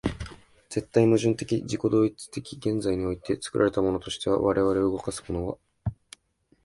絶対矛盾的自己同一的現在において、作られたものとして我々を動かすものは、